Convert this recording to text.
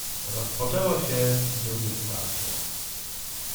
"Rozpoczęło się drugie starcie."